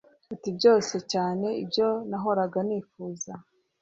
Ati Byose cyane ibyo nahoraga nifuza